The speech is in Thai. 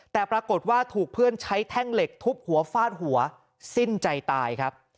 แต่ปรากฏว่าถูกเพื่อนใช้แท่งเหล็กทุบหัวฟาดหัวสิ้นใจตายครับ